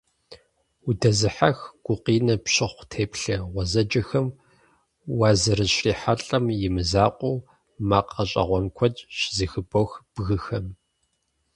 Удэзыхьэх, гукъинэ пщыхъу теплъэ гъуэзэджэхэм уазэрыщрихьэлIэм и мызакъуэу, макъ гъэщIэгъуэн куэд щызэхыбох бгыхэм.